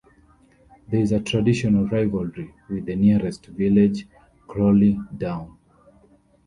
There is a traditional rivalry with the nearest village Crawley Down.